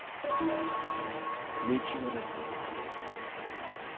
さぁ見極めさせてもらいますよ